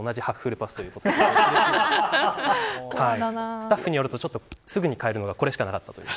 スタッフによるとすぐに買えるのがこれしかなかったと。